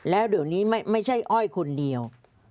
แล้วเดี๋ยวนี้ไม่ใช่อ้อยคนเดียว